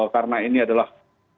karena ini adalah